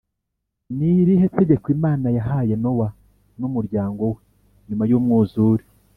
Ni irihe tegeko Imana yahaye Nowa n umuryango we nyuma y Umwuzure